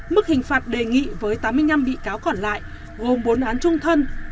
mức hình phạt đề nghị với tám mươi năm bị cáo còn lại gồm bốn án trung thân